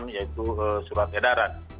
yaitu surat edaran